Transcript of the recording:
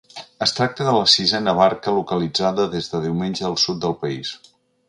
Es tracta de la sisena barca localitzada des de diumenge al sud del país.